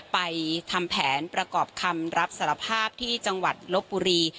ไปทำแผนประกอบคำรับสารภาพที่จังหวัดลบบุรี